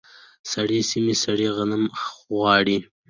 سړې سیمې سړې غنم غواړي.